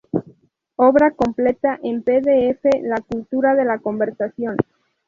Obra completa en pdf "La cultura de la conversación".